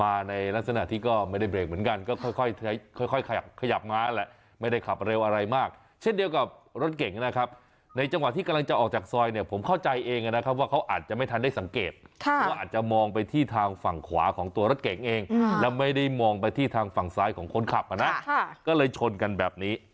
ในลักษณะที่ก็ไม่ได้เบรกเหมือนกันก็ค่อยขยับขยับมาแหละไม่ได้ขับเร็วอะไรมากเช่นเดียวกับรถเก่งนะครับในจังหวะที่กำลังจะออกจากซอยเนี่ยผมเข้าใจเองนะครับว่าเขาอาจจะไม่ทันได้สังเกตว่าอาจจะมองไปที่ทางฝั่งขวาของตัวรถเก่งเองแล้วไม่ได้มองไปที่ทางฝั่งซ้ายของคนขับอ่ะนะก็เลยชนกันแบบนี้